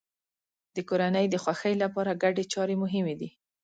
د کورنۍ د خوښۍ لپاره ګډې چارې مهمې دي.